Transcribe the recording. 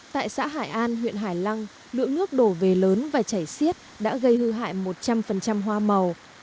tại xã hải an huyện hải lăng lượng nước đổ về lớn và chảy xiết đã gây hư hại một trăm linh hoa màu